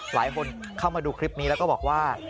หลายคนเข้ามาดูคลิปนี้แล้วก็บอกว่า